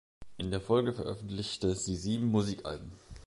In der Folge veröffentlichte sie sieben Musikalben.